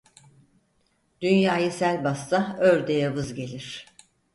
Dünyayı sel bassa ördeğe vız gelir.